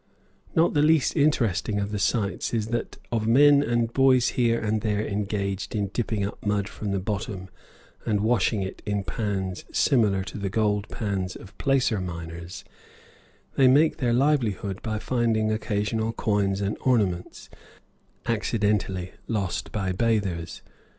Not the least interesting of the sights is that of men and boys here and there engaged in dipping up mud from the bottom and washing it in pans similar to the gold pans of placer miners; they make their livelihood by finding occasional coins and ornaments, accidentally lost by bathers.